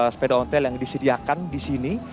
sepeda ontel yang disediakan di sini